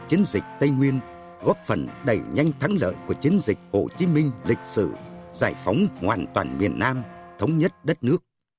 chiến dịch tây nguyên góp phần đẩy nhanh thắng lợi của chiến dịch hồ chí minh lịch sử giải phóng hoàn toàn miền nam thống nhất đất nước